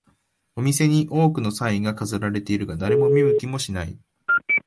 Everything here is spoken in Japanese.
お店に多くのサインが飾られているが、誰も見向きもしない